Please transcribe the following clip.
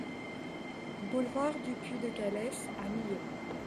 Boulevard du Puits de Calès à Millau